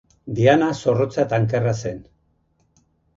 Diana zorrotza eta ankerra zen.